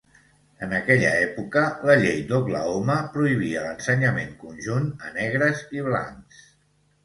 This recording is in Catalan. En aquella època, la llei d'Oklahoma prohibia l'ensenyament conjunt a negres i blancs.